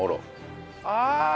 ああ！